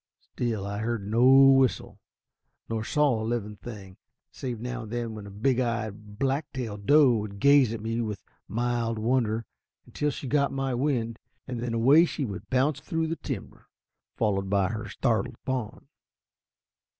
Still I heard no whistle, nor saw a living thing, save now and then when a big eyed black tail doe would gaze at me with mild wonder until she got my wind, and then away she would bounce through the timber, followed by her startled fawn.